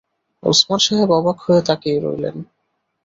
ওসমান সাহেব অবাক হয়ে তাকিয়ে রইলেন।